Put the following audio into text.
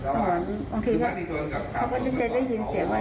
ตอนวันโอเคเขาก็จะเจ็ดได้ยินเสียงว่า